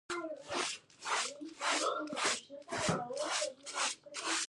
د میدان وردګو کرومایټ مشهور دی؟